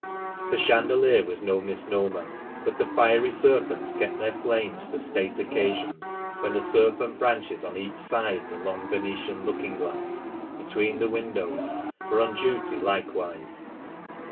The chandelier was no misnomer ; but the fiery serpents kept their flames for state occasions, when the serpent branches on each side the long Venetian looking glass, between the windows, were on duty likewise.